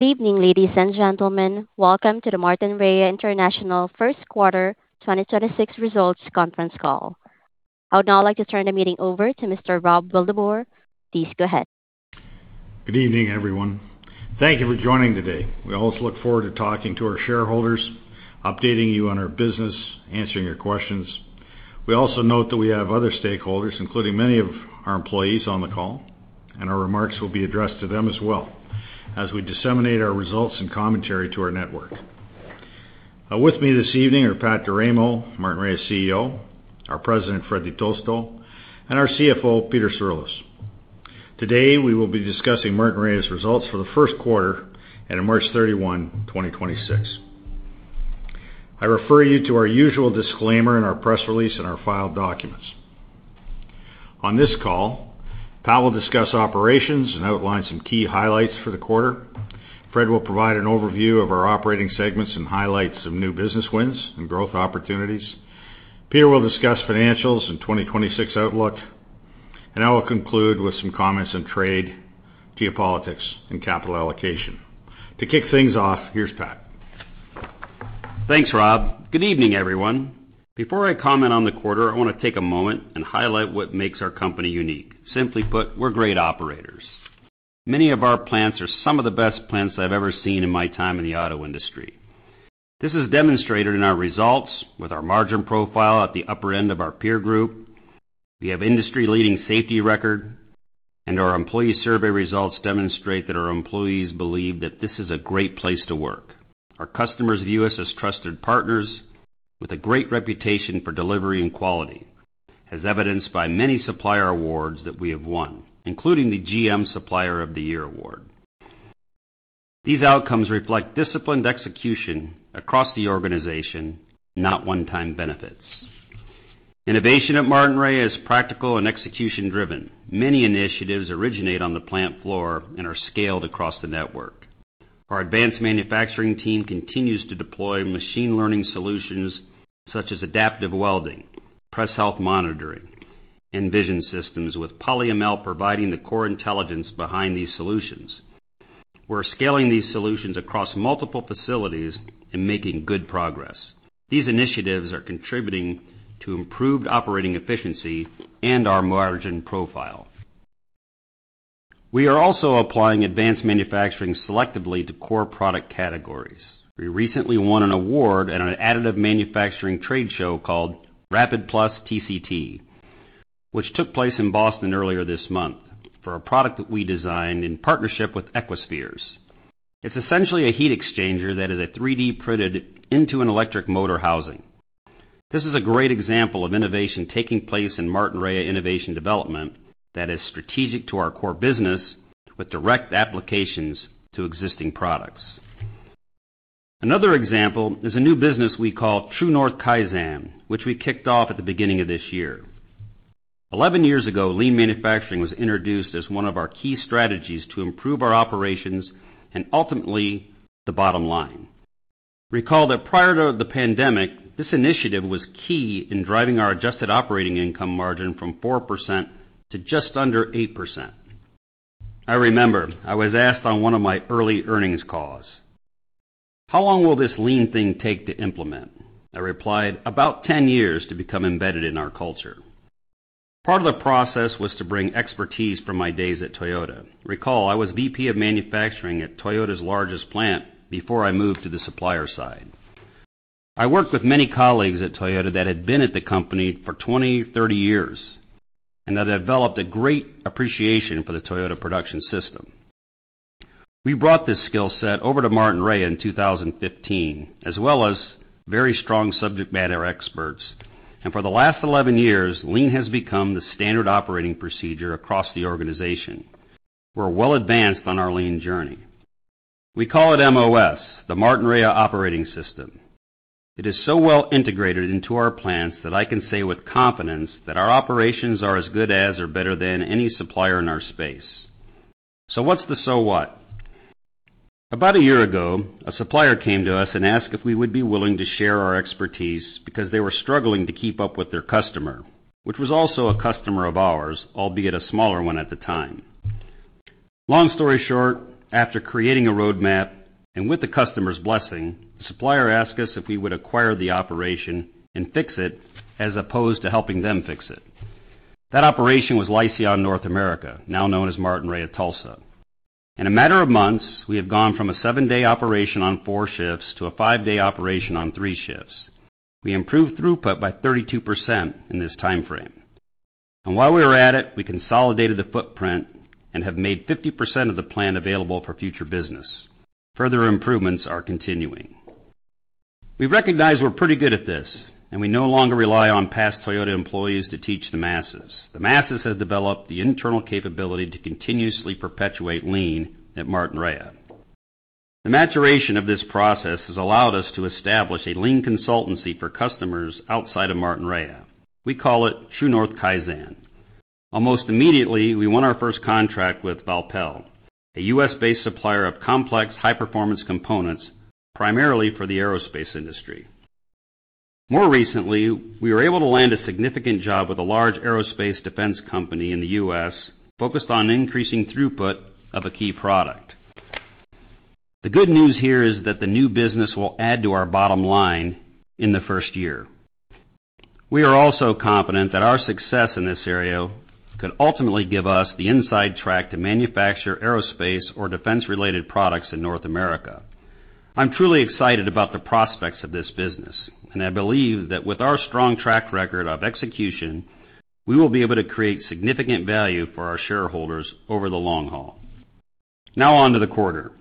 Good evening, ladies and gentlemen. Welcome to the Martinrea International First Quarter 2026 Results Conference Call. I would now like to turn the meeting over to Mr. Rob Wildeboer. Please go ahead. Good evening, everyone. Thank you for joining today. We always look forward to talking to our shareholders, updating you on our business, answering your questions. We also note that we have other stakeholders, including many of our employees on the call, and our remarks will be addressed to them as well as we disseminate our results and commentary to our network. With me this evening are Pat D'Eramo, Martinrea's CEO, our President, Fred Di Tosto, and our CFO, Peter Cirulis. Today, we will be discussing Martinrea's results for the first quarter ending March 31, 2026. I refer you to our usual disclaimer in our press release and our filed documents. On this call, Pat will discuss operations and outline some key highlights for the quarter. Fred will provide an overview of our operating segments and highlights of new business wins and growth opportunities. Peter will discuss financials and 2026 outlook, and I will conclude with some comments on trade, geopolitics, and capital allocation. To kick things off, here's Pat. Thanks, Rob. Good evening, everyone. Before I comment on the quarter, I wanna take a moment and highlight what makes our company unique. Simply put, we're great operators. Many of our plants are some of the best plants I've ever seen in my time in the auto industry. This is demonstrated in our results with our margin profile at the upper end of our peer group. We have industry-leading safety record, and our employee survey results demonstrate that our employees believe that this is a great place to work. Our customers view us as trusted partners with a great reputation for delivery and quality, as evidenced by many supplier awards that we have won, including the GM Supplier of the Year award. These outcomes reflect disciplined execution across the organization, not one-time benefits. Innovation at Martinrea is practical and execution-driven. Many initiatives originate on the plant floor and are scaled across the network. Our advanced manufacturing team continues to deploy machine learning solutions such as adaptive welding, press health monitoring, and vision systems, with PolyML providing the core intelligence behind these solutions. We're scaling these solutions across multiple facilities and making good progress. These initiatives are contributing to improved operating efficiency and our margin profile. We are also applying advanced manufacturing selectively to core product categories. We recently won an award at an additive manufacturing trade show called RAPID + TCT, which took place in Boston earlier this month, for a product that we designed in partnership with Equispheres. It's essentially a heat exchanger that is 3D printed into an electric motor housing. This is a great example of innovation taking place in Martinrea Innovation Development that is strategic to our core business with direct applications to existing products. Another example is a new business we call TruNorth Kaizen, which we kicked off at the beginning of this year. 11 years ago, lean manufacturing was introduced as one of our key strategies to improve our operations and ultimately the bottom line. Recall that prior to the pandemic, this initiative was key in driving our adjusted operating income margin from 4% to just under 8%. I remember I was asked on one of my early earnings calls, "How long will this lean thing take to implement?" I replied, "About 10 years to become embedded in our culture." Part of the process was to bring expertise from my days at Toyota. Recall, I was VP of manufacturing at Toyota's largest plant before I moved to the supplier side. I worked with many colleagues at Toyota that had been at the company for 20, 30 years and that I developed a great appreciation for the Toyota Production System. We brought this skill set over to Martinrea in 2015, as well as very strong subject matter experts. For the last 11 years, lean has become the standard operating procedure across the organization. We're well advanced on our lean journey. We call it MOS, the Martinrea Operating System. It is so well integrated into our plants that I can say with confidence that our operations are as good as or better than any supplier in our space. So what's the so what? About a year ago, a supplier came to us and asked if we would be willing to share our expertise because they were struggling to keep up with their customer, which was also a customer of ours, albeit a smaller one at the time. Long story short, after creating a roadmap and with the customer's blessing, the supplier asked us if we would acquire the operation and fix it as opposed to helping them fix it. That operation was Lyseon North America, now known as Martinrea Tulsa. In a matter of months, we have gone from a seven-day operation on four shifts to a five-day operation on three shifts. We improved throughput by 32% in this timeframe. While we were at it, we consolidated the footprint and have made 50% of the plant available for future business. Further improvements are continuing. We recognize we're pretty good at this, and we no longer rely on past Toyota employees to teach the masses. The masses have developed the internal capability to continuously perpetuate lean at Martinrea. The maturation of this process has allowed us to establish a lean consultancy for customers outside of Martinrea. We call it TruNorth Kaizen. Almost immediately, we won our first contract with Vaupell, a U.S.-based supplier of complex high-performance components, primarily for the aerospace industry. More recently, we were able to land a significant job with a large aerospace defense company in the U.S. focused on increasing throughput of a key product. The good news here is that the new business will add to our bottom line in the first year. We are also confident that our success in this area could ultimately give us the inside track to manufacture aerospace or defense-related products in North America. I'm truly excited about the prospects of this business, and I believe that with our strong track record of execution, we will be able to create significant value for our shareholders over the long haul. Now on to the quarter.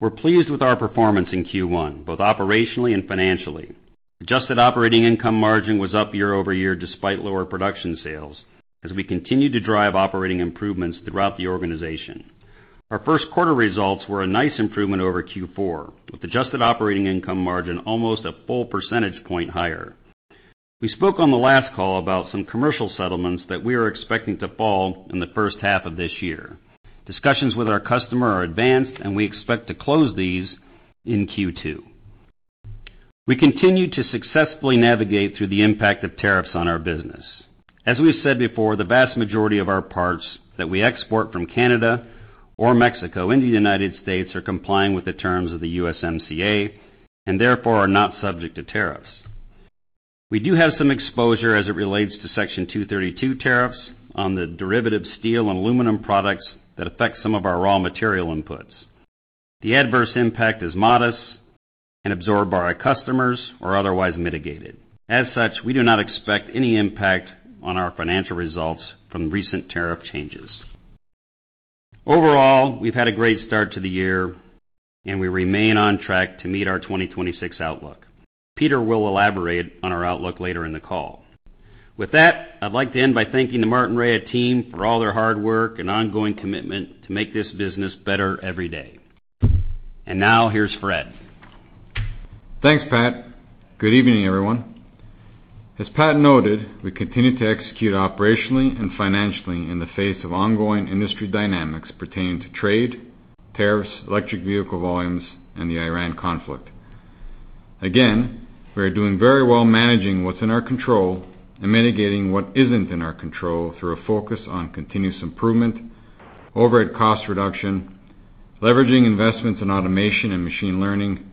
We're pleased with our performance in Q1, both operationally and financially. Adjusted operating income margin was up year-over-year despite lower production sales as we continue to drive operating improvements throughout the organization. Our first quarter results were a nice improvement over Q4, with adjusted operating income margin almost a 1 percentage point higher. We spoke on the last call about some commercial settlements that we are expecting to fall in the first half of this year. Discussions with our customer are advanced, and we expect to close these in Q2. We continue to successfully navigate through the impact of tariffs on our business. As we said before, the vast majority of our parts that we export from Canada or Mexico into the United States are complying with the terms of the USMCA and therefore are not subject to tariffs. We do have some exposure as it relates to Section 232 tariffs on the derivative steel and aluminum products that affect some of our raw material inputs. The adverse impact is modest and absorbed by our customers or otherwise mitigated. As such, we do not expect any impact on our financial results from recent tariff changes. Overall, we've had a great start to the year, and we remain on track to meet our 2026 outlook. Peter will elaborate on our outlook later in the call. With that, I'd like to end by thanking the Martinrea team for all their hard work and ongoing commitment to make this business better every day. Now, here's Fred. Thanks, Pat. Good evening, everyone. As Pat noted, we continue to execute operationally and financially in the face of ongoing industry dynamics pertaining to trade, tariffs, electric vehicle volumes, and the Iran conflict. Again, we are doing very well managing what's in our control and mitigating what isn't in our control through a focus on continuous improvement, overhead cost reduction, leveraging investments in automation and machine learning,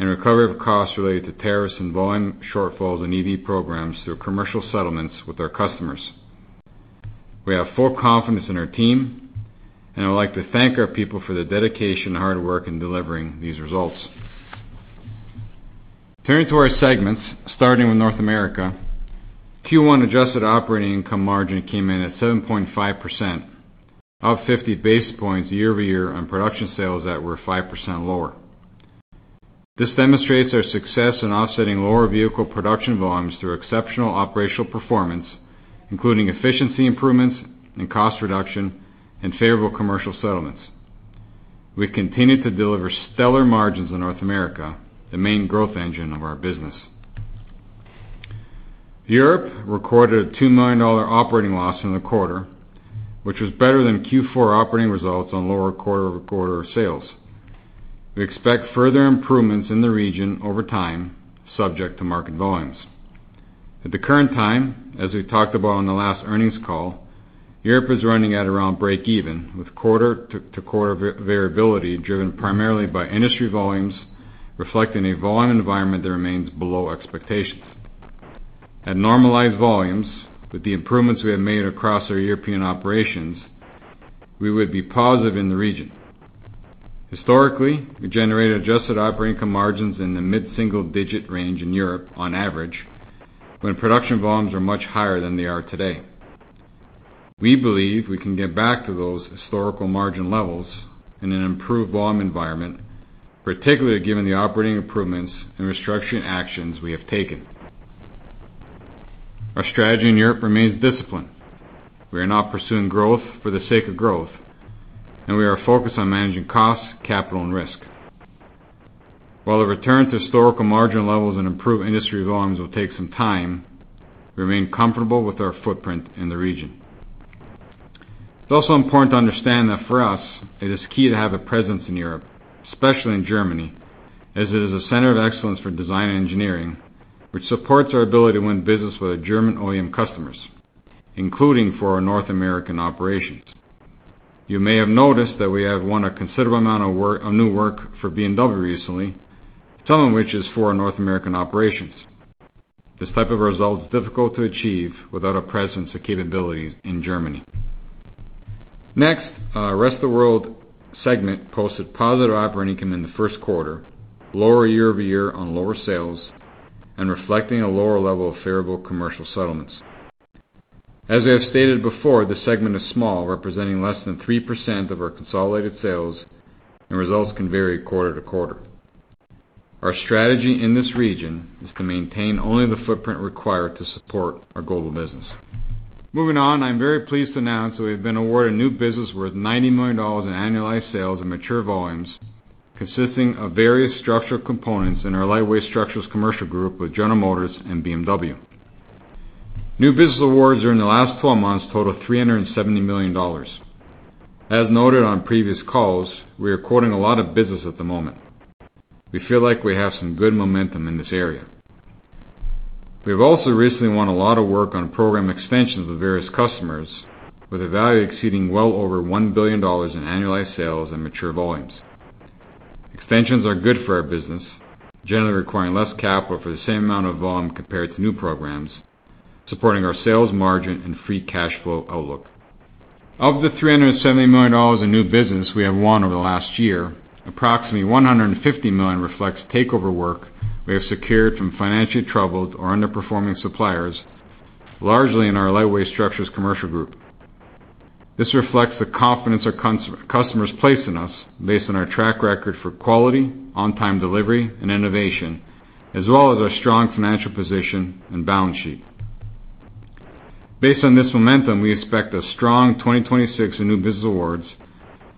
and recovery of costs related to tariffs and volume shortfalls and EV programs through commercial settlements with our customers. We have full confidence in our team, and I would like to thank our people for their dedication, hard work in delivering these results. Turning to our segments, starting with North America, Q1 adjusted operating income margin came in at 7.5%, up 50 basis points year-over-year on production sales that were 5% lower. This demonstrates our success in offsetting lower vehicle production volumes through exceptional operational performance, including efficiency improvements and cost reduction and favorable commercial settlements. We continue to deliver stellar margins in North America, the main growth engine of our business. Europe recorded a 2 million dollar operating loss in the quarter, which was better than Q4 operating results on lower quarter-over-quarter sales. We expect further improvements in the region over time, subject to market volumes. At the current time, as we talked about on the last earnings call, Europe is running at around breakeven, with quarter-to-quarter variability driven primarily by industry volumes, reflecting a volume environment that remains below expectations. At normalized volumes, with the improvements we have made across our European operations, we would be positive in the region. Historically, we generated adjusted operating income margins in the mid-single-digit range in Europe on average, when production volumes were much higher than they are today. We believe we can get back to those historical margin levels in an improved volume environment, particularly given the operating improvements and restructuring actions we have taken. Our strategy in Europe remains disciplined. We are not pursuing growth for the sake of growth, and we are focused on managing costs, capital, and risk. While the return to historical margin levels and improved industry volumes will take some time, we remain comfortable with our footprint in the region. It's also important to understand that for us, it is key to have a presence in Europe, especially in Germany, as it is a center of excellence for design and engineering, which supports our ability to win business with our German OEM customers, including for our North American operations. You may have noticed that we have won a considerable amount of new work for BMW recently, some of which is for our North American operations. This type of result is difficult to achieve without a presence or capabilities in Germany. Our Rest of World segment posted positive operating income in the first quarter, lower year-over-year on lower sales and reflecting a lower level of favorable commercial settlements. As I have stated before, this segment is small, representing less than 3% of our consolidated sales, and results can vary quarter-to-quarter. Our strategy in this region is to maintain only the footprint required to support our global business. Moving on, I'm very pleased to announce that we have been awarded new business worth 90 million dollars in annualized sales and mature volumes, consisting of various structural components in our Lightweight Structures commercial group with General Motors and BMW. New business awards during the last 12 months totaled 370 million dollars. As noted on previous calls, we are quoting a lot of business at the moment. We feel like we have some good momentum in this area. We have also recently won a lot of work on program extensions with various customers with a value exceeding well over 1 billion dollars in annualized sales and mature volumes. Extensions are good for our business, generally requiring less capital for the same amount of volume compared to new programs, supporting our sales margin and free cash flow outlook. Of the 370 million dollars in new business we have won over the last year, approximately 150 million reflects takeover work we have secured from financially troubled or underperforming suppliers, largely in our Lightweight Structures commercial group. This reflects the confidence our customers place in us based on our track record for quality, on-time delivery, and innovation, as well as our strong financial position and balance sheet. Based on this momentum, we expect a strong 2026 in new business awards,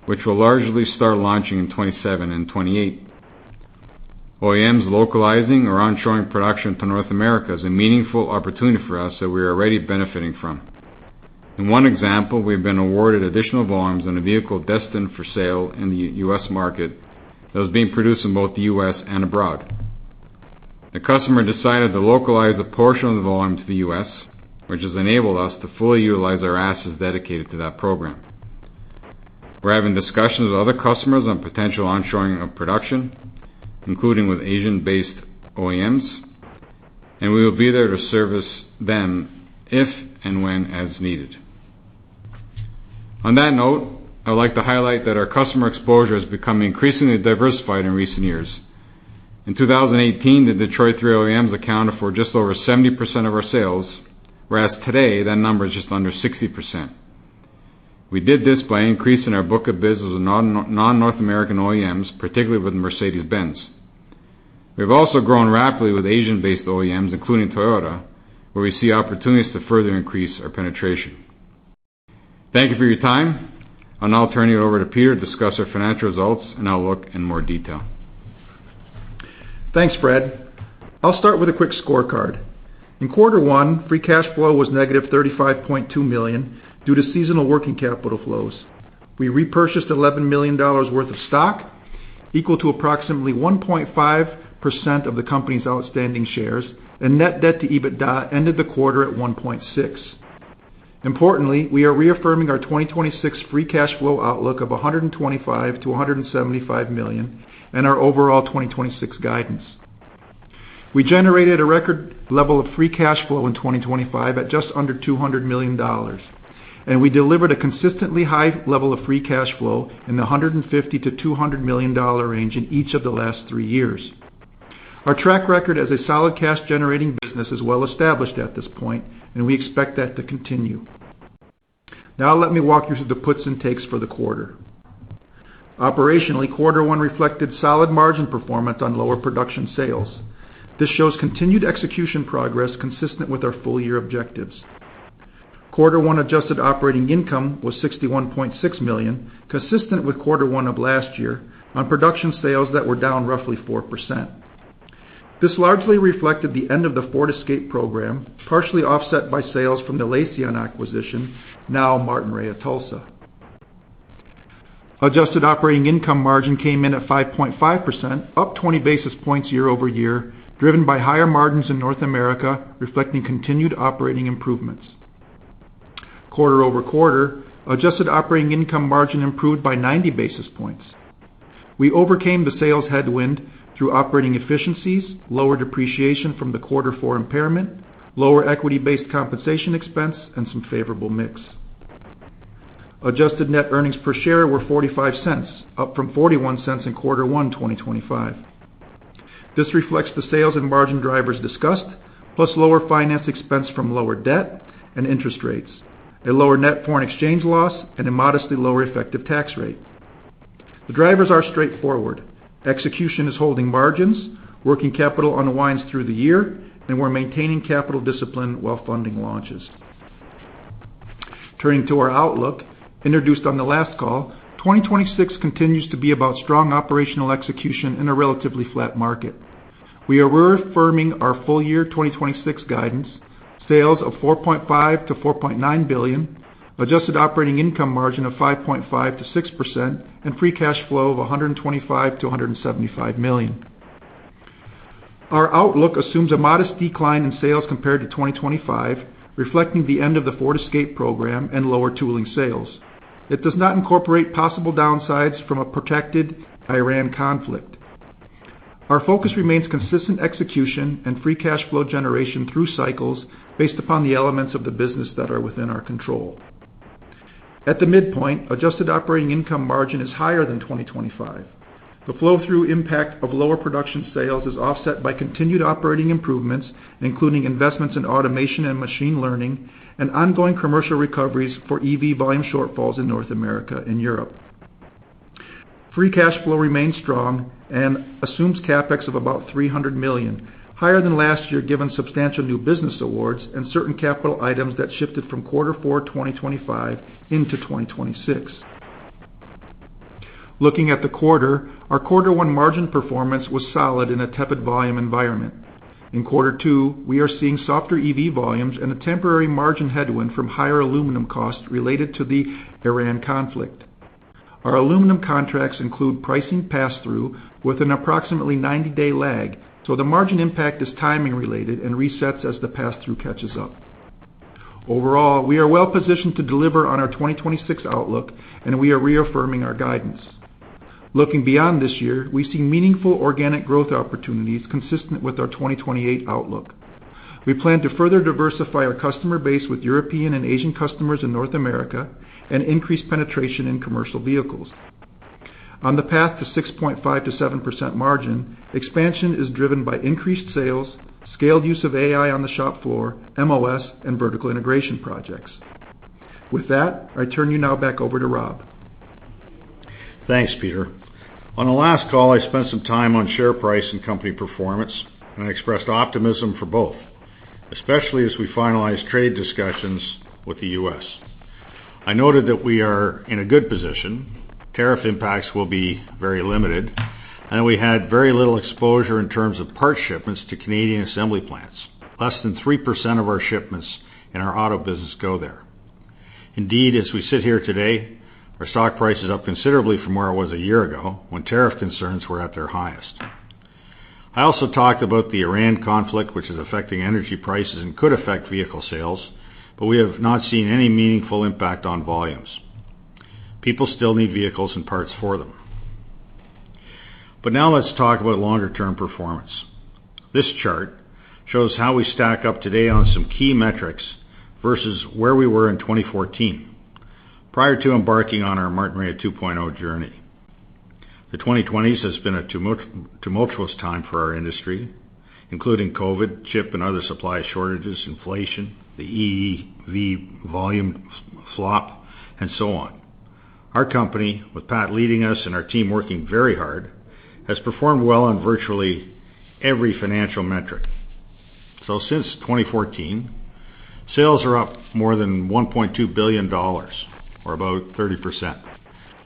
which will largely start launching in 2027 and 2028. OEMs localizing or onshoring production to North America is a meaningful opportunity for us that we are already benefiting from. In one example, we've been awarded additional volumes on a vehicle destined for sale in the U.S. market that was being produced in both the U.S. and abroad. The customer decided to localize a portion of the volume to the U.S., which has enabled us to fully utilize our assets dedicated to that program. We're having discussions with other customers on potential onshoring of production, including with Asian-based OEMs, and we will be there to service them if and when as needed. On that note, I would like to highlight that our customer exposure has become increasingly diversified in recent years. In 2018, the Detroit Three OEMs accounted for just over 70% of our sales, whereas today, that number is just under 60%. We did this by increasing our book of business with non-North American OEMs, particularly with Mercedes-Benz. We have also grown rapidly with Asian-based OEMs, including Toyota, where we see opportunities to further increase our penetration. Thank you for your time. I will now turn it over to Peter to discuss our financial results and outlook in more detail. Thanks, Fred. I'll start with a quick scorecard. In quarter one, free cash flow was negative 35.2 million due to seasonal working capital flows. We repurchased 11 million dollars worth of stock, equal to approximately 1.5% of the company's outstanding shares, and net debt to EBITDA ended the quarter at 1.6%. Importantly, we are reaffirming our 2026 free cash flow outlook of 125 million-175 million and our overall 2026 guidance. We generated a record level of free cash flow in 2025 at just under 200 million dollars, and we delivered a consistently high level of free cash flow in the 150 million-200 million dollar range in each of the last three years. Our track record as a solid cash-generating business is well established at this point, and we expect that to continue. Let me walk you through the puts and takes for the quarter. Operationally, quarter one reflected solid margin performance on lower production sales. This shows continued execution progress consistent with our full-year objectives. Quarter one adjusted operating income was 61.6 million, consistent with quarter one of last year on production sales that were down roughly 4%. This largely reflected the end of the Ford Escape program, partially offset by sales from the Lyseon acquisition, now Martinrea Tulsa. Adjusted operating income margin came in at 5.5%, up 20 basis points year-over-year, driven by higher margins in North America, reflecting continued operating improvements. Quarter-over-quarter, adjusted operating income margin improved by 90 basis points. We overcame the sales headwind through operating efficiencies, lower depreciation from the quarter four impairment, lower equity-based compensation expense, and some favorable mix. Adjusted net earnings per share were 0.45, up from 0.41 in quarter one 2025. This reflects the sales and margin drivers discussed, plus lower finance expense from lower debt and interest rates, a lower net foreign exchange loss, and a modestly lower effective tax rate. The drivers are straightforward. Execution is holding margins, working capital unwinds through the year, and we're maintaining capital discipline while funding launches. Turning to our outlook, introduced on the last call, 2026 continues to be about strong operational execution in a relatively flat market. We are reaffirming our full year 2026 guidance, sales of 4.5 billion-4.9 billion, adjusted operating income margin of 5.5%-6% and free cash flow of 125 million-175 million. Our outlook assumes a modest decline in sales compared to 2025, reflecting the end of the Ford Escape program and lower tooling sales. It does not incorporate possible downsides from a protected Iran conflict. Our focus remains consistent execution and free cash flow generation through cycles based upon the elements of the business that are within our control. At the midpoint, adjusted operating income margin is higher than 2025. The flow-through impact of lower production sales is offset by continued operating improvements, including investments in automation and machine learning and ongoing commercial recoveries for EV volume shortfalls in North America and Europe. Free cash flow remains strong and assumes CapEx of about 300 million, higher than last year, given substantial new business awards and certain capital items that shifted from quarter four 2025 into 2026. Looking at the quarter, our quarter one margin performance was solid in a tepid volume environment. In quarter two, we are seeing softer EV volumes and a temporary margin headwind from higher aluminum costs related to the Iran conflict. Our aluminum contracts include pricing passthrough with an approximately 90-day lag, so the margin impact is timing related and resets as the passthrough catches up. Overall, we are well-positioned to deliver on our 2026 outlook, and we are reaffirming our guidance. Looking beyond this year, we see meaningful organic growth opportunities consistent with our 2028 outlook. We plan to further diversify our customer base with European and Asian customers in North America and increase penetration in commercial vehicles. On the path to 6.5%-7% margin, expansion is driven by increased sales, scaled use of AI on the shop floor, MOS, and vertical integration projects. With that, I turn you now back over to Rob. Thanks, Peter. On the last call, I spent some time on share price and company performance. I expressed optimism for both, especially as we finalize trade discussions with the U.S. I noted that we are in a good position. Tariff impacts will be very limited. We had very little exposure in terms of parts shipments to Canadian assembly plants. Less than 3% of our shipments in our auto business go there. Indeed, as we sit here today, our stock price is up considerably from where it was a year ago when tariff concerns were at their highest. I also talked about the Iran conflict, which is affecting energy prices and could affect vehicle sales, but we have not seen any meaningful impact on volumes. People still need vehicles and parts for them. Now let's talk about longer-term performance. This chart shows how we stack up today on some key metrics versus where we were in 2014, prior to embarking on our Martinrea 2.0 journey. The 2020s has been a tumultuous time for our industry, including COVID, chip and other supply shortages, inflation, the EV volume flop, and so on. Our company, with Pat leading us and our team working very hard, has performed well on virtually every financial metric. Since 2014, sales are up more than 1.2 billion dollars, or about 30%.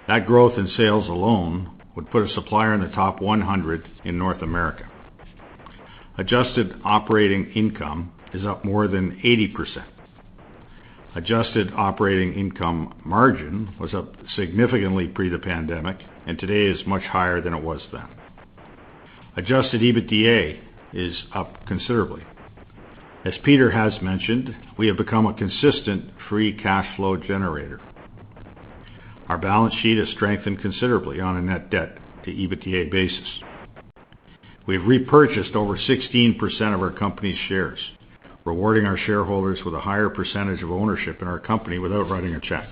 That growth in sales alone would put a supplier in the top 100 in North America. Adjusted operating income is up more than 80%. Adjusted operating income margin was up significantly pre the pandemic, and today is much higher than it was then. Adjusted EBITDA is up considerably. As Peter has mentioned, we have become a consistent free cash flow generator. Our balance sheet has strengthened considerably on a Net Debt to EBITDA basis. We've repurchased over 16% of our company's shares, rewarding our shareholders with a higher percentage of ownership in our company without writing a check.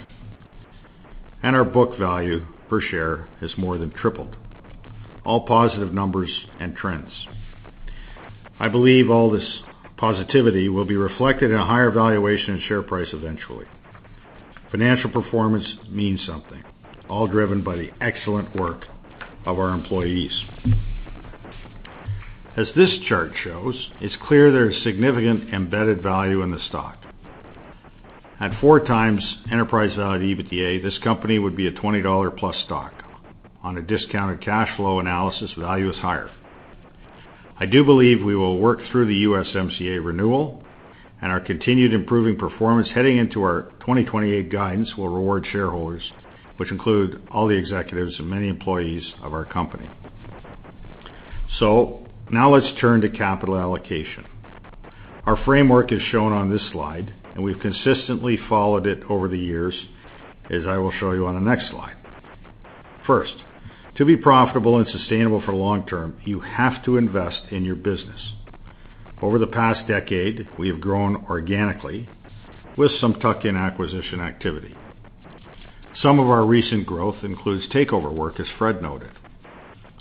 Our book value per share has more than tripled. All positive numbers and trends. I believe all this positivity will be reflected in a higher valuation and share price eventually. Financial performance means something, all driven by the excellent work of our employees. As this chart shows, it's clear there is significant embedded value in the stock. At 4x enterprise value at EBITDA, this company would be a 20-plus dollar stock. On a discounted cash flow analysis, the value is higher. I do believe we will work through the USMCA renewal. Our continued improving performance heading into our 2028 guidance will reward shareholders, which include all the executives and many employees of our company. Now let's turn to capital allocation. Our framework is shown on this slide. We've consistently followed it over the years, as I will show you on the next slide. First, to be profitable and sustainable for long term, you have to invest in your business. Over the past decade, we have grown organically with some tuck-in acquisition activity. Some of our recent growth includes takeover work, as Fred noted.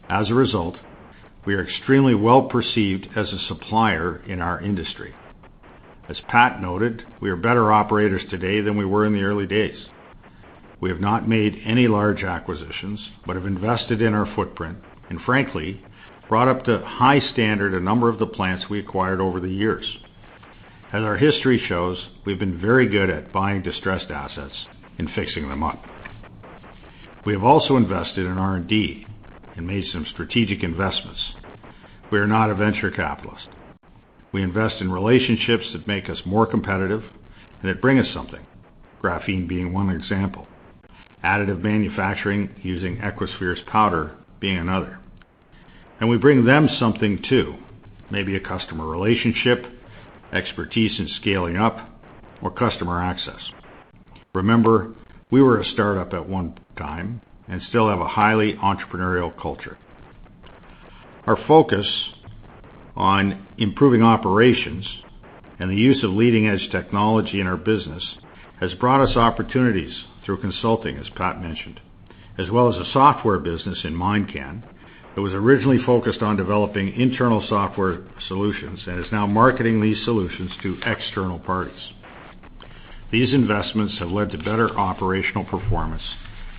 As a result, we are extremely well perceived as a supplier in our industry. As Pat noted, we are better operators today than we were in the early days. We have not made any large acquisitions, have invested in our footprint and frankly, brought up to high standard a number of the plants we acquired over the years. As our history shows, we've been very good at buying distressed assets and fixing them up. We have also invested in R&D and made some strategic investments. We are not a venture capitalist. We invest in relationships that make us more competitive and that bring us something, graphene being one example. Additive manufacturing using Equispheres powder being another. We bring them something too, maybe a customer relationship, expertise in scaling up, or customer access. Remember, we were a startup at one time and still have a highly entrepreneurial culture. Our focus on improving operations and the use of leading-edge technology in our business has brought us opportunities through consulting, as Pat mentioned, as well as a software business in MiNDCAN that was originally focused on developing internal software solutions and is now marketing these solutions to external parties. These investments have led to better operational performance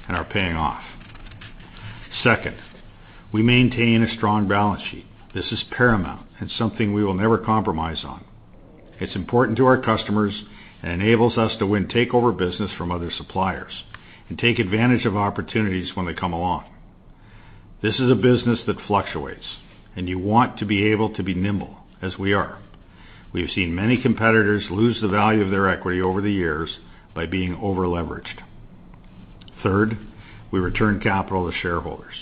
and are paying off. Second, we maintain a strong balance sheet. This is paramount and something we will never compromise on. It's important to our customers and enables us to win takeover business from other suppliers and take advantage of opportunities when they come along. This is a business that fluctuates, and you want to be able to be nimble as we are. We have seen many competitors lose the value of their equity over the years by being over-leveraged. Third, we return capital to shareholders.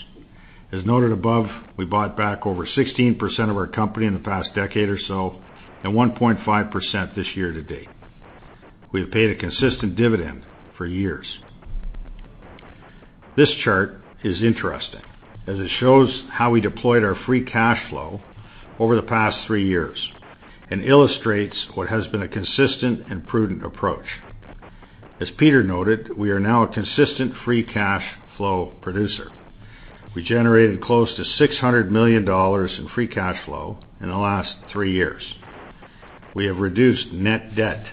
As noted above, we bought back over 16% of our company in the past decade or so and 1.5% this year to date. We have paid a consistent dividend for years. This chart is interesting as it shows how we deployed our free cash flow over the past three years and illustrates what has been a consistent and prudent approach. As Peter noted, we are now a consistent free cash flow producer. We generated close to 600 million dollars in free cash flow in the last three years. We have reduced Net Debt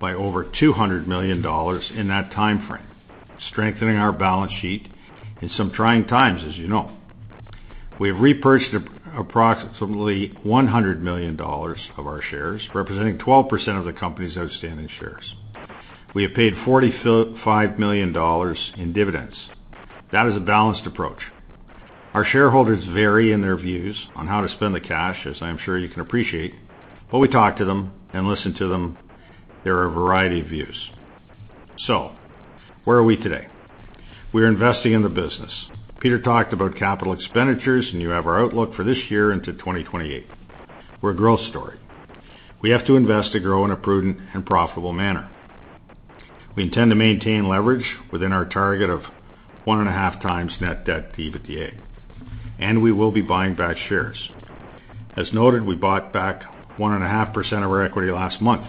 by over 200 million dollars in that timeframe, strengthening our balance sheet in some trying times, as you know. We have repurchased approximately 100 million dollars of our shares, representing 12% of the company's outstanding shares. We have paid 45 million dollars in dividends. That is a balanced approach. Our shareholders vary in their views on how to spend the cash, as I am sure you can appreciate, but we talk to them and listen to them. There are a variety of views. Where are we today? We are investing in the business. Peter talked about capital expenditures, and you have our outlook for this year into 2028. We're a growth story. We have to invest to grow in a prudent and profitable manner. We intend to maintain leverage within our target of 1.5x Net Debt to EBITDA, and we will be buying back shares. As noted, we bought back 1.5% of our equity last month.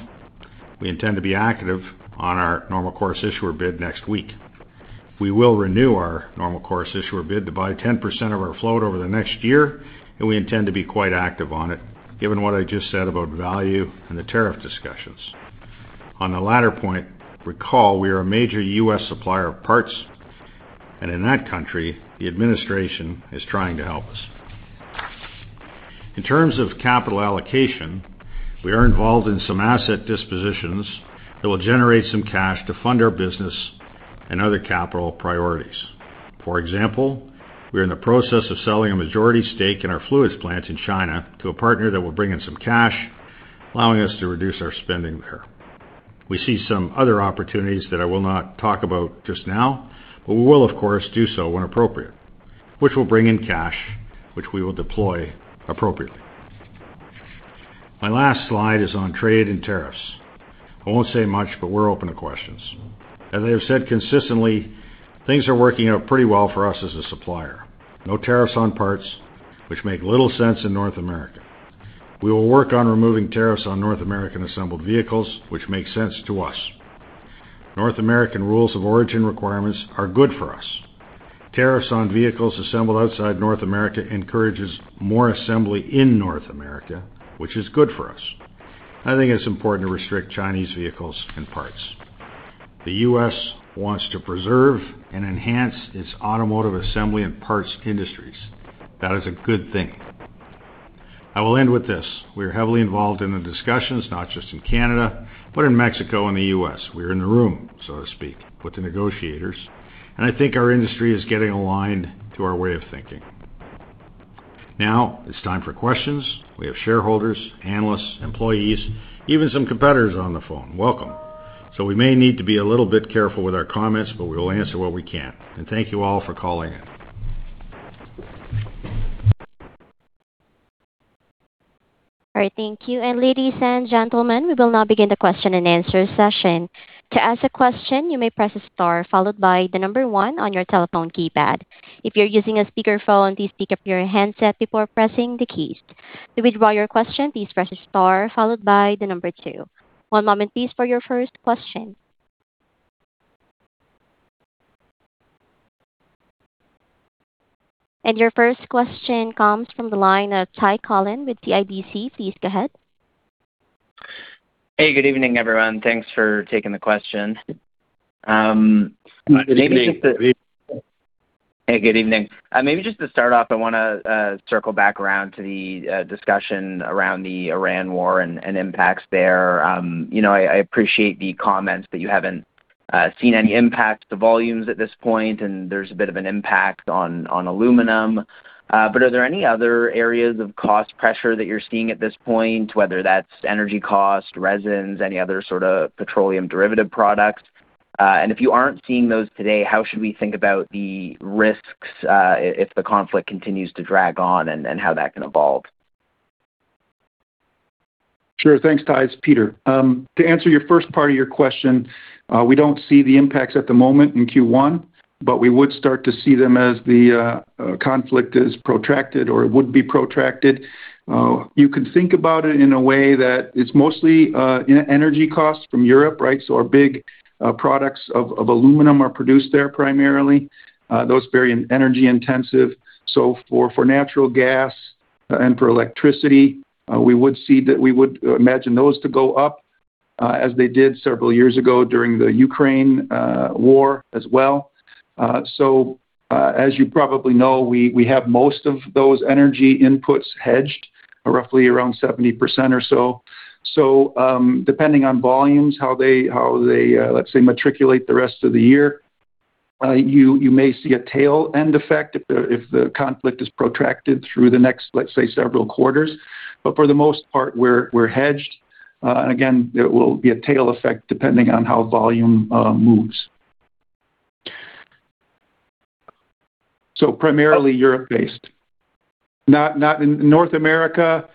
We intend to be active on our Normal Course Issuer Bid next week. We will renew our Normal Course Issuer Bid to buy 10% of our float over the next year, and we intend to be quite active on it, given what I just said about value and the tariff discussions. On the latter point, recall we are a major U.S. supplier of parts, and in that country, the administration is trying to help us. In terms of capital allocation, we are involved in some asset dispositions that will generate some cash to fund our business and other capital priorities. For example, we are in the process of selling a majority stake in our fluids plant in China to a partner that will bring in some cash, allowing us to reduce our spending there. We see some other opportunities that I will not talk about just now, but we will of course do so when appropriate, which will bring in cash, which we will deploy appropriately. My last slide is on trade and tariffs. I won't say much, but we're open to questions. As I have said consistently, things are working out pretty well for us as a supplier. No tariffs on parts which make little sense in North America. We will work on removing tariffs on North American assembled vehicles, which makes sense to us. North American rules of origin requirements are good for us. Tariffs on vehicles assembled outside North America encourages more assembly in North America, which is good for us. I think it's important to restrict Chinese vehicles and parts. The U.S. wants to preserve and enhance its automotive assembly and parts industries. That is a good thing. I will end with this. We are heavily involved in the discussions, not just in Canada, but in Mexico and the U.S. We are in the room, so to speak, with the negotiators, and I think our industry is getting aligned to our way of thinking. Now it's time for questions. We have shareholders, analysts, employees, even some competitors on the phone. Welcome. We may need to be a little bit careful with our comments, but we will answer what we can. Thank you all for calling in. All right, thank you. Ladies and gentlemen, we will now begin the question and answer session. To ask a question, you may press star followed by the number one on your telephone keypad. If you're using a speakerphone, please pick up your handset before pressing the keys. To withdraw your question, please press star followed by the number two. One moment please for your first question. Your first question comes from the line of Ty Collin with CIBC. Please go ahead. Hey, good evening, everyone. Thanks for taking the question. Good evening. Hey, good evening. Maybe just to start off, I want to circle back around to the discussion around the Iran war and impacts there. You know, I appreciate the comments, but you haven't seen any impact to volumes at this point, and there's a bit of an impact on aluminum. Are there any other areas of cost pressure that you're seeing at this point, whether that's energy cost, resins, any other sort of petroleum derivative products? If you aren't seeing those today, how should we think about the risks if the conflict continues to drag on and how that can evolve? Sure. Thanks, Ty. It's Peter. To answer your first part of your question, we don't see the impacts at the moment in Q1, but we would start to see them as the conflict is protracted or would be protracted. You could think about it in a way that it's mostly energy costs from Europe, right. Our big products of aluminum are produced there primarily. Those vary in energy intensive. For natural gas, and for electricity, we would see that we would imagine those to go up As they did several years ago during the Ukraine war as well. As you probably know, we have most of those energy inputs hedged roughly around 70% or so. Depending on volumes, how they, let's say, matriculate the rest of the year, you may see a tail-end effect if the conflict is protracted through the next, let's say, several quarters. For the most part, we're hedged. Again, there will be a tail effect depending on how volume moves. Primarily Europe-based. Not North America,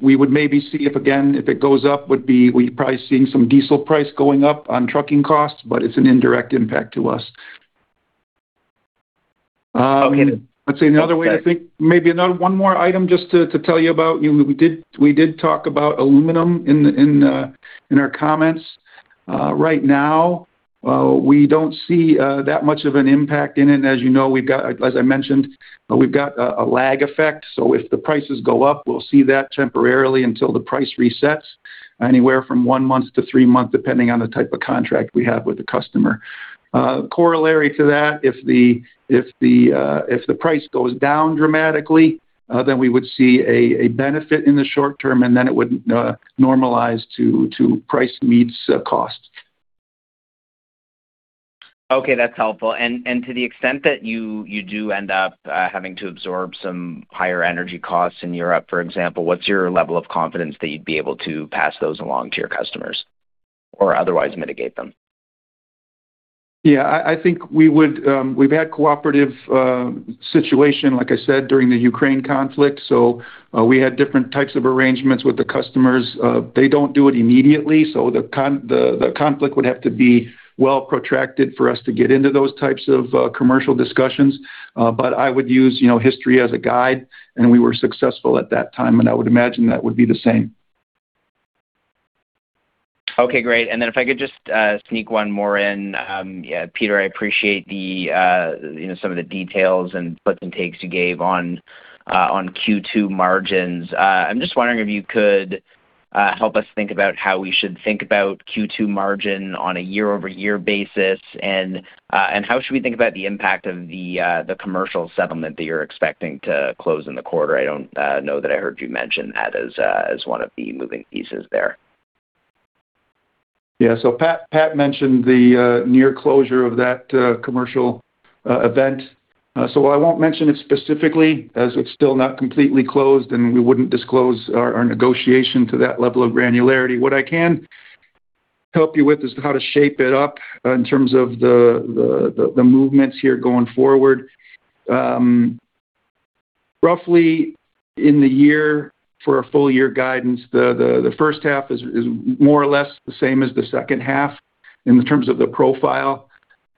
we would maybe see if, again, if it goes up, would be we probably seeing some diesel price going up on trucking costs, but it's an indirect impact to us. Okay. Let's say another way to think, maybe another one more item just to tell you about. You know, we did talk about aluminum in our comments. Right now, we don't see that much of an impact in it. As you know, as I mentioned, we've got a lag effect, so if the prices go up, we'll see that temporarily until the price resets, anywhere from one month to three months, depending on the type of contract we have with the customer. Corollary to that, if the price goes down dramatically, then we would see a benefit in the short term, and then it would normalize to price meets the cost. Okay, that's helpful. To the extent that you do end up having to absorb some higher energy costs in Europe, for example, what's your level of confidence that you'd be able to pass those along to your customers or otherwise mitigate them? Yeah, I think we would. We've had cooperative situation, like I said, during the Ukraine conflict. We had different types of arrangements with the customers. They don't do it immediately. The conflict would have to be well protracted for us to get into those types of commercial discussions. I would use, you know, history as a guide, and we were successful at that time, and I would imagine that would be the same. Okay, great. If I could just sneak one more in. Yeah, Peter, I appreciate the, you know, some of the details and puts and takes you gave on Q2 margins. I'm just wondering if you could help us think about how we should think about Q2 margin on a year-over-year basis, and how should we think about the impact of the commercial settlement that you're expecting to close in the quarter. I don't know that I heard you mention that as one of the moving pieces there. Yeah. Pat mentioned the near closure of that commercial event. I won't mention it specifically as it's still not completely closed, and we wouldn't disclose our negotiation to that level of granularity. What I can help you with is how to shape it up in terms of the movements here going forward. Roughly in the year for a full year guidance, the first half is more or less the same as the second half in the terms of the profile.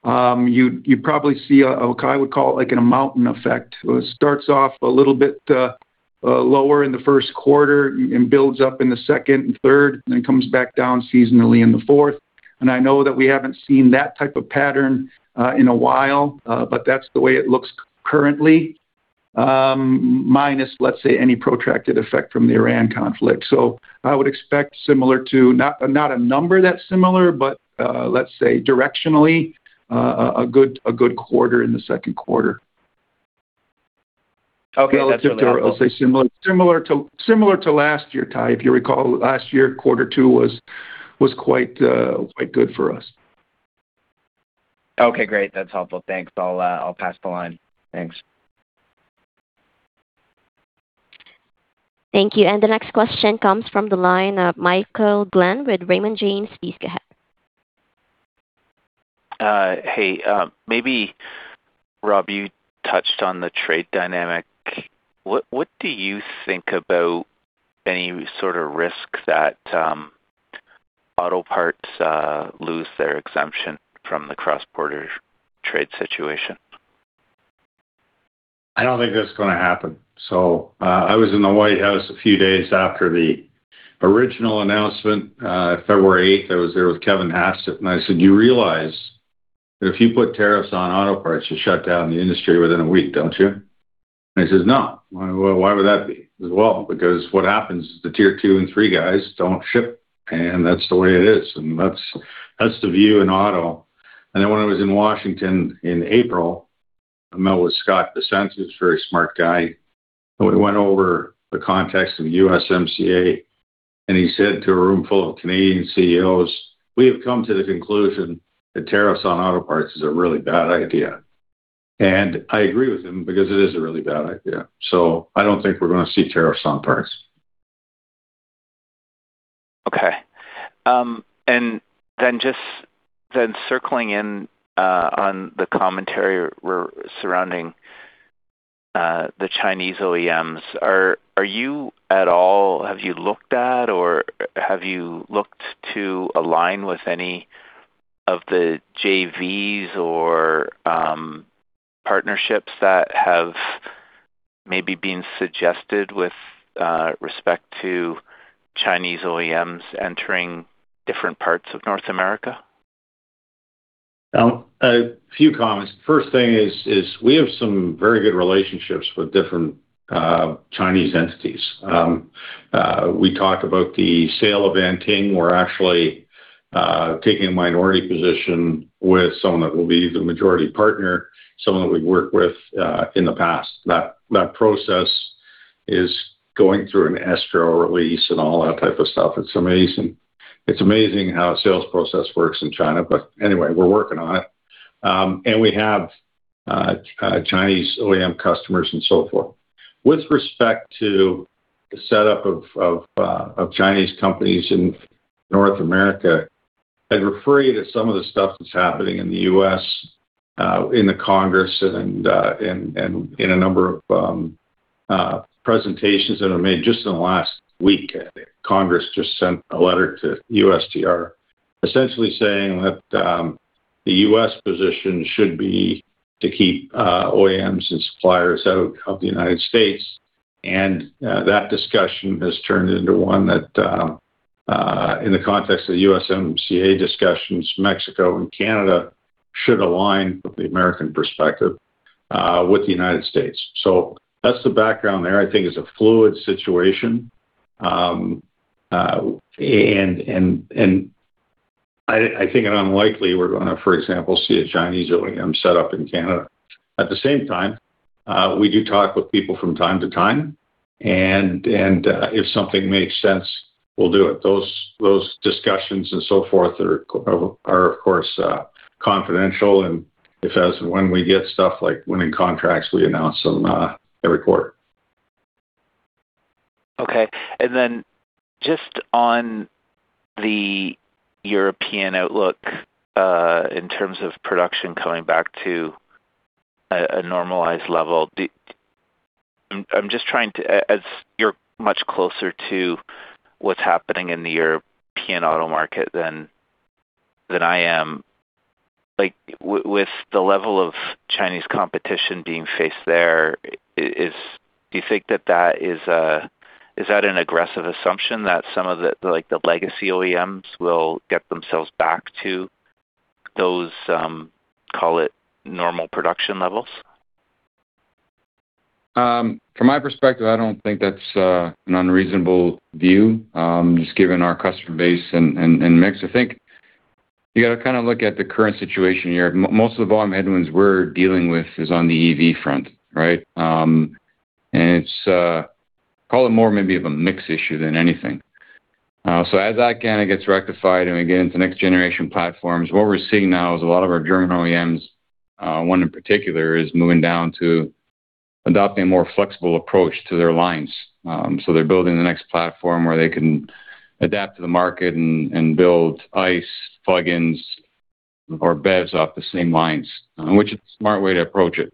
You'd probably see a, what I would call it, like a mountain effect. It starts off a little bit lower in the first quarter and builds up in the second and third, and then comes back down seasonally in the fourth. I know that we haven't seen that type of pattern in a while, but that's the way it looks currently, minus, let's say, any protracted effect from the Iran conflict. I would expect similar to, not a number that's similar, but, let's say directionally, a good quarter in the second quarter. Okay. That's really helpful. I would say similar to last year, Tamy Chen. If you recall, last year, quarter two was quite good for us. Okay, great. That's helpful. Thanks. I'll pass the line. Thanks. Thank you. The next question comes from the line of Michael Glen with Raymond James. Please go ahead. Hey, maybe, Rob, you touched on the trade dynamic. What do you think about any sort of risk that auto parts lose their exemption from the cross-border trade situation? I don't think that's gonna happen. I was in the White House a few days after the original announcement, February 8th. I was there with Kevin Hassett, I said, "You realize that if you put tariffs on auto parts, you shut down the industry within a week, don't you?" He says, "No." Why would that be? I said, "Because what happens is the tier two and three guys don't ship, and that's the way it is, and that's the view in auto." When I was in Washington in April, I met with Scott Bessent. He's a very smart guy. We went over the context of USMCA, and he said to a room full of Canadian CEOs, "We have come to the conclusion that tariffs on auto parts is a really bad idea." I agree with him because it is a really bad idea. I don't think we're gonna see tariffs on parts. Okay. Then circling in, on the commentary surrounding the Chinese OEMs, are you at all have you looked at or have you looked to align with any of the JVs or partnerships that have maybe been suggested with respect to Chinese OEMs entering different parts of North America? Now, a few comments. First thing is, we have some very good relationships with different Chinese entities. We talk about the sale of Anting. We're actually taking a minority position with someone that will be the majority partner, someone that we've worked with in the past. That, that process is going through an escrow release and all that type of stuff. It's amazing. It's amazing how a sales process works in China. Anyway, we're working on it. And we have Chinese OEM customers and so forth. With respect to the setup of Chinese companies in North America, I'd refer you to some of the stuff that's happening in the U.S., in the Congress and in a number of presentations that are made just in the last week. Congress just sent a letter to USTR essentially saying that the U.S. position should be to keep OEMs and suppliers out of the United States. That discussion has turned into one that in the context of the USMCA discussions, Mexico and Canada should align with the American perspective with the United States. That's the background there. I think it's a fluid situation. And I think it unlikely we're gonna, for example, see a Chinese OEM set up in Canada. At the same time, we do talk with people from time to time and if something makes sense, we'll do it. Those discussions and so forth are of course confidential and if as and when we get stuff like winning contracts, we announce them every quarter. Okay. Just on the European outlook, in terms of production coming back to a normalized level, I'm just trying to. As you're much closer to what's happening in the European auto market than I am, like, with the level of Chinese competition being faced there, do you think that that is? Is that an aggressive assumption that some of the, like, the legacy OEMs will get themselves back to those, call it normal production levels? From my perspective, I don't think that's an unreasonable view, just given our customer base and, and mix. I think you gotta kinda look at the current situation here. Most of the volume headwinds we're dealing with is on the EV front, right? It's call it more maybe of a mix issue than anything. As that kinda gets rectified and we get into next generation platforms, what we're seeing now is a lot of our German OEMs, one in particular, is moving down to adopting a more flexible approach to their lines. They're building the next platform where they can adapt to the market and build ICE plugins or BEVs off the same lines, which is a smart way to approach it.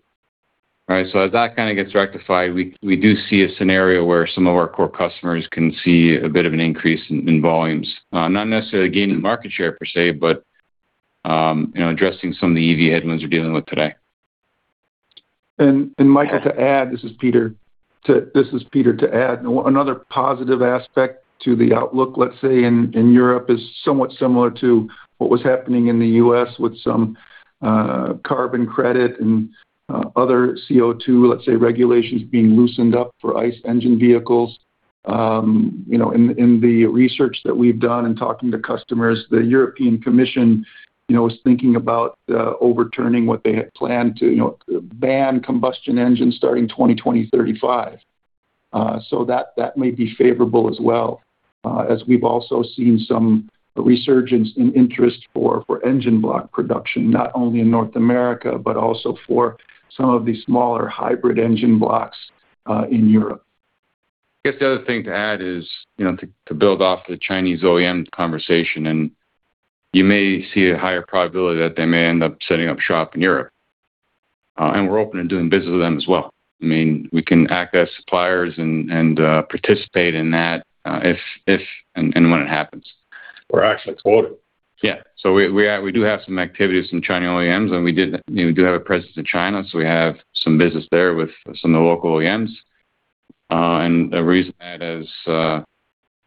All right? As that kinda gets rectified, we do see a scenario where some of our core customers can see a bit of an increase in volumes. Not necessarily a gain in market share per se, but, you know, addressing some of the EV headwinds we're dealing with today. Michael Glen, to add, this is Peter, to add, another positive aspect to the outlook, let's say in Europe, is somewhat similar to what was happening in the U.S. with some carbon credit and other CO2, let's say, regulations being loosened up for ICE engine vehicles. You know, in the research that we've done in talking to customers, the European Commission, you know, is thinking about overturning what they had planned to, you know, ban combustion engines starting 2035. That, that may be favorable as well, as we've also seen some resurgence in interest for engine block production, not only in North America, but also for some of the smaller hybrid engine blocks, in Europe. I guess the other thing to add is, you know, to build off the Chinese OEM conversation. You may see a higher probability that they may end up setting up shop in Europe. We're open to doing business with them as well. I mean, we can act as suppliers and participate in that if and when it happens. We're actually quoted. Yeah. We do have some activities in Chinese OEMs, and you know, we do have a presence in China, so we have some business there with some of the local OEMs. The reason that is,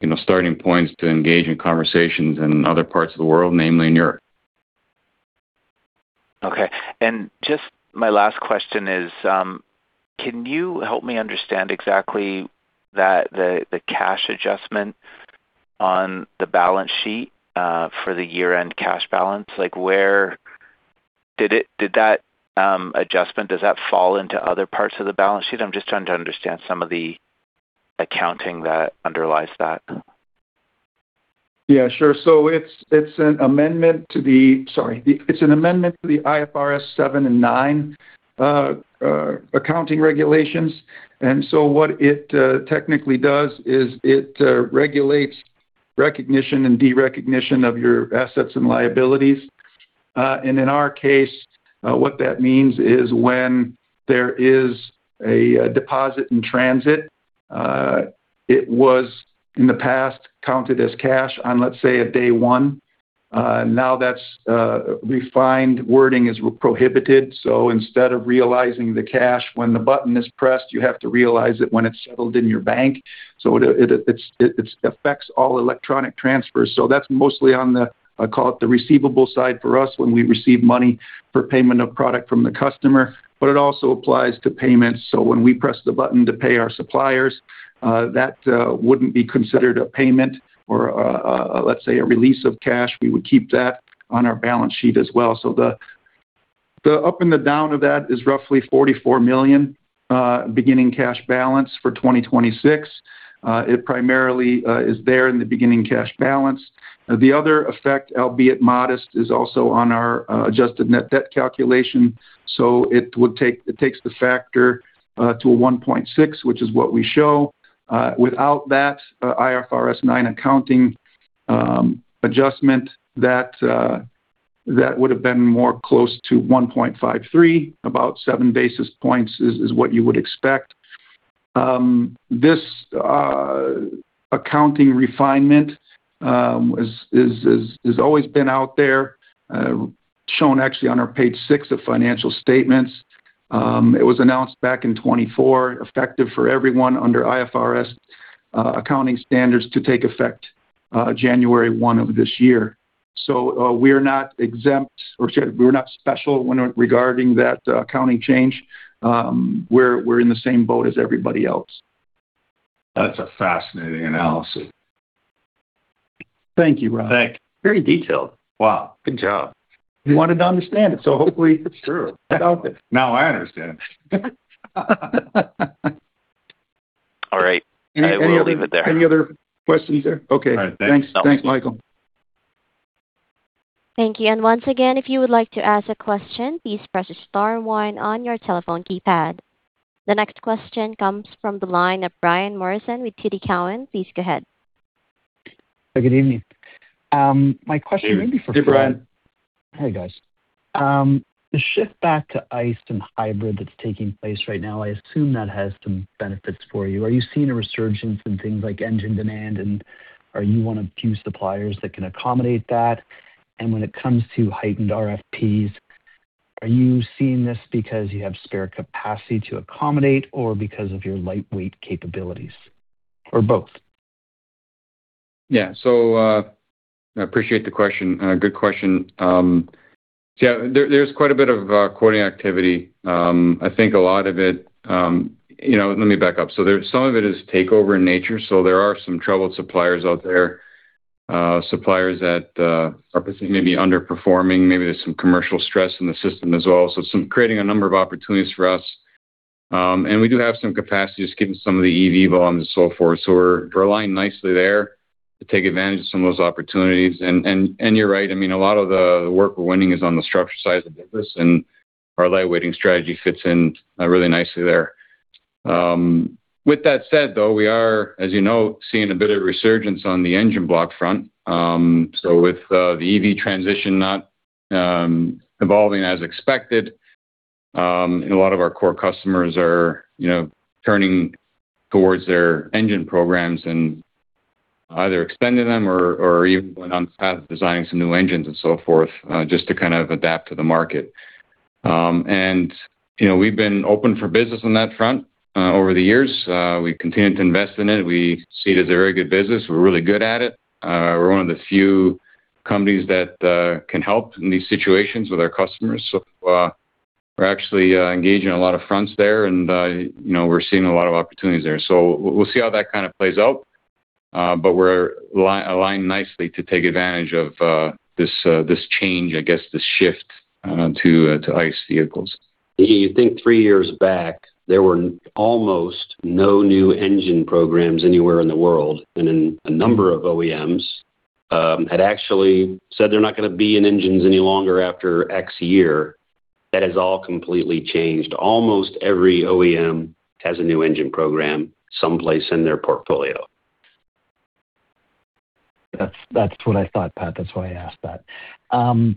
you know, starting points to engage in conversations in other parts of the world, namely in Europe. Okay. Just my last question is, can you help me understand exactly that the cash adjustment on the balance sheet for the year-end cash balance? Does that adjustment fall into other parts of the balance sheet? I'm just trying to understand some of the accounting that underlies that. Yeah, sure. It's an amendment to the IFRS 7 and 9 accounting regulations. What it technically does is it regulates recognition and derecognition of your assets and liabilities. In our case, what that means is when there is a deposit in transit, it was, in the past, counted as cash on, let's say, a day 1. Now that's refined wording is prohibited. Instead of realizing the cash when the button is pressed, you have to realize it when it's settled in your bank. It affects all electronic transfers. That's mostly on the, I call it the receivable side for us when we receive money for payment of product from the customer. It also applies to payments. When we press the button to pay our suppliers, that wouldn't be considered a payment or a let's say a release of cash. We would keep that on our balance sheet as well. The up and the down of that is roughly 44 million beginning cash balance for 2026. It primarily is there in the beginning cash balance. The other effect, albeit modest, is also on our adjusted net debt calculation. It takes the factor to a 1.6, which is what we show. Without that IFRS 9 accounting adjustment, that would have been more close to 1.53. About 7 basis points is what you would expect. This accounting refinement has always been out there, shown actually on our page 6 of financial statements. It was announced back in 2024, effective for everyone under IFRS accounting standards to take effect January 1 of this year. We're not exempt or we're not special when regarding that accounting change. We're in the same boat as everybody else. That's a fascinating analysis. Thank you, Rob. Thanks. Very detailed. Wow. Good job. Wanted to understand it. It's true. I got this. Now I understand. All right. I will leave it there. Any other questions there? Okay. All right. Thanks. Thanks, Michael. Thank you. Once again, if you would like to ask a question, please press star one on your telephone keypad. The next question comes from the line of Brian Morrison with TD Cowen. Please go ahead. Good evening. My question maybe for Rob. Hey, Brian. Hey, guys. The shift back to ICE and hybrid that's taking place right now, I assume that has some benefits for you. Are you seeing a resurgence in things like engine demand? Are you one of the few suppliers that can accommodate that? When it comes to heightened RFPs, are you seeing this because you have spare capacity to accommodate or because of your lightweight capabilities or both? I appreciate the question and a good question. There's quite a bit of quoting activity. I think a lot of it, you know. Let me back up. Some of it is takeover in nature, there are some troubled suppliers out there, suppliers that are maybe underperforming. Maybe there's some commercial stress in the system as well. Creating a number of opportunities for us. We do have some capacity just given some of the EV volumes and so forth. We're aligned nicely there to take advantage of some of those opportunities. You're right. I mean, a lot of the work we're winning is on the structure side of the business, our lightweighting strategy fits in really nicely there. With that said, though, we are, as you know, seeing a bit of resurgence on the engine block front. With the EV transition not evolving as expected, a lot of our core customers are, you know, turning towards their engine programs and either extending them or even going on path of designing some new engines and so forth, just to kind of adapt to the market. You know, we've been open for business on that front over the years. We continue to invest in it. We see it as a very good business. We're really good at it. We're one of the few companies that can help in these situations with our customers. We're actually engaged in a lot of fronts there. You know, we're seeing a lot of opportunities there. We'll see how that kind of plays out. We're aligned nicely to take advantage of this change, I guess, this shift to ICE vehicles. You think three years back, there were almost no new engine programs anywhere in the world, and a number of OEMs had actually said they're not going to be in engines any longer after X year. That has all completely changed. Almost every OEM has a new engine program someplace in their portfolio. That's what I thought, Pat. That's why I asked that.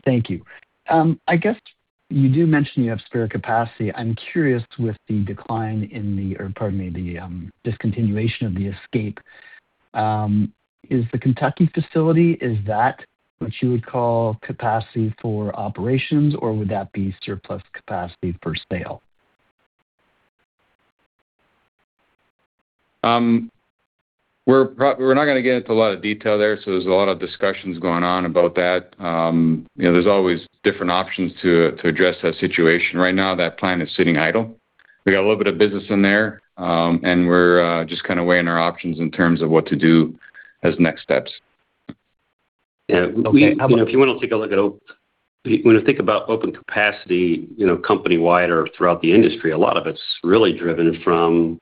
Thank you. I guess you do mention you have spare capacity. I'm curious with the decline in the, or pardon me, the discontinuation of the Escape, is the Kentucky facility, is that what you would call capacity for operations, or would that be surplus capacity for sale? We're not gonna get into a lot of detail there, so there's a lot of discussions going on about that. You know, there's always different options to address that situation. Right now, that plant is sitting idle. We got a little bit of business in there, and we're just kinda weighing our options in terms of what to do as next steps. Yeah. Okay. If you wanna take a look at when you think about open capacity, you know, company-wide or throughout the industry, a lot of it's really driven from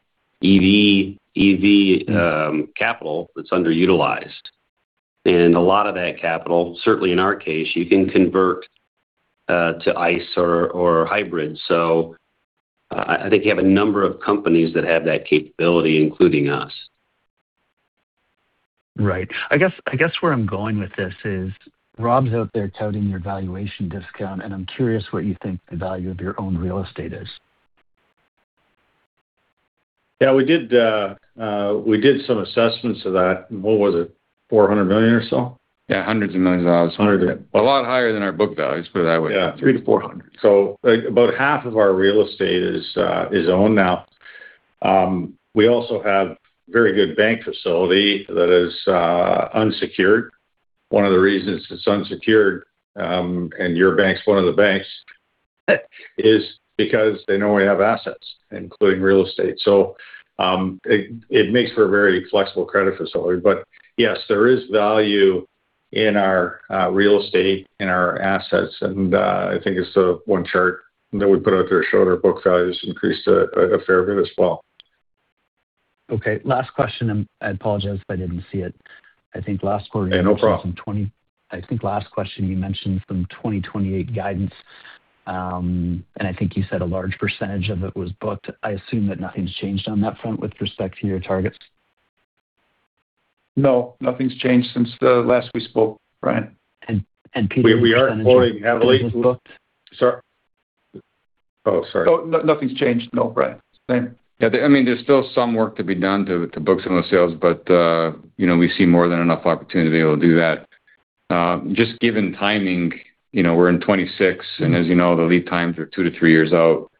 EV capital that's underutilized. A lot of that capital, certainly in our case, you can convert to ICE or hybrid. I think you have a number of companies that have that capability, including us. Right. I guess where I'm going with this is Rob's out there touting your valuation discount, and I'm curious what you think the value of your own real estate is. Yeah, we did some assessments of that. What was it? 400 million or so? Yeah, hundreds of millions of dollars. Hundred. A lot higher than our book values, put it that way. Yeah. 300 million-400 million. About half of our real estate is owned now. We also have very good bank facility that is unsecured. One of the reasons it's unsecured, and your bank's one of the banks, is because they know we have assets, including real estate. It makes for a very flexible credit facility. Yes, there is value in our real estate, in our assets. I think it's the one chart that we put out there showed our book values increased a fair bit as well. Okay, last question, and I apologize if I didn't see it. I think last quarter you. Yeah, no problem. I think last question, you mentioned some 2028 guidance. I think you said a large percentage of it was booked. I assume that nothing's changed on that front with respect to your targets. No, nothing's changed since the last we spoke, Brian. Peter We are quoting heavily. Booked? Sorry. Oh, sorry. No, nothing's changed. No, Brian. Yeah, I mean, there's still some work to be done to book some of the sales, but you know, we see more than enough opportunity to be able to do that. Just given timing, you know, we're in 26, and as you know, the lead times are two, three years out.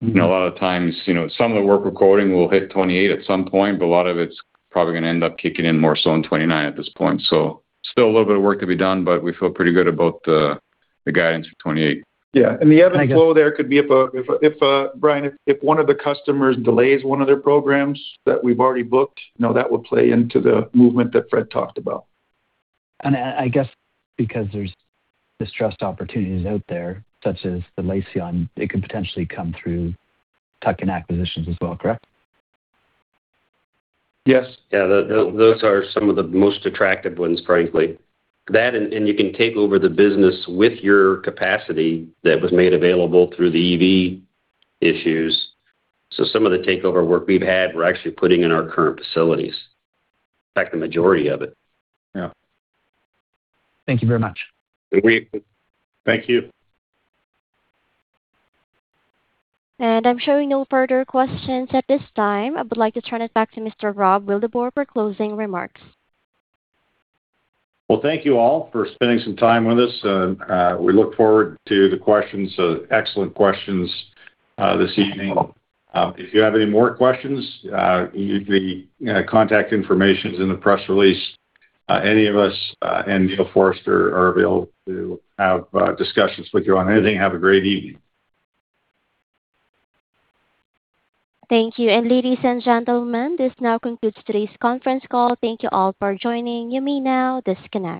You know, a lot of the times, you know, some of the work we're quoting will hit 28 at some point, but a lot of it's probably gonna end up kicking in more so in 29 at this point. Still a little bit of work to be done, but we feel pretty good about the guidance for 28. Yeah. The other flow there could be about if Brian, if one of the customers delays one of their programs that we've already booked, you know, that would play into the movement that Fred talked about. I guess because there's distressed opportunities out there, such as the Lyseon, it could potentially come through tuck-in acquisitions as well, correct? Yes. Yeah. Those are some of the most attractive ones, frankly. That and you can take over the business with your capacity that was made available through the EV issues. Some of the takeover work we've had, we're actually putting in our current facilities. In fact, the majority of it. Yeah. Thank you very much. Great. Thank you. I'm showing no further questions at this time. I would like to turn it back to Mr. Rob Wildeboer for closing remarks. Well, thank you all for spending some time with us. We look forward to the questions, excellent questions, this evening. If you have any more questions, the contact information is in the press release. Any of us, and Neil Forster are available to have discussions with you on anything. Have a great evening. Thank you. Ladies and gentlemen, this now concludes today's conference call. Thank you all for joining. You may now disconnect.